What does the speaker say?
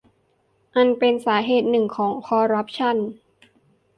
อันเป็นสาเหตุหนึ่งของคอร์รัปชั่น